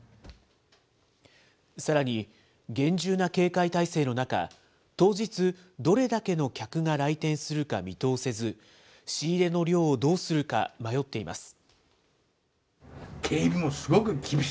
さらに、厳重な警戒態勢の中、当日、どれだけの客が来店するか見通せず、仕入れの量をどうするか迷っています。